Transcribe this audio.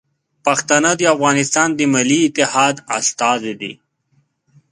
پښتانه د افغانستان د ملي اتحاد استازي دي.